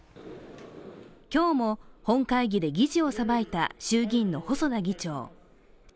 今日も本会議で議事をさばいた衆議院の細田議長。